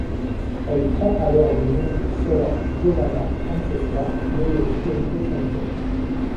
Elle prend alors le nom de sœur Giovanna Francesca dello Spirito Santo.